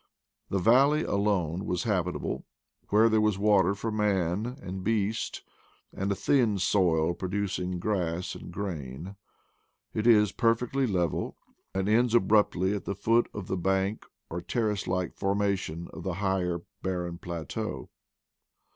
The valley alone was habitable, where there was water for man and beast, and a thin soil producing grass and grain; it is perfectly level, and ends abruptly at the foot of the bank or terrace like formation of the higher barren plateau.